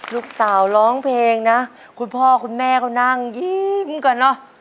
ลูกสาวร้องเพลงนะคุณพ่อคุณแม่ก็นั่งยิ้มกันเนอะ